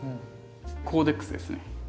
コーデックスですね。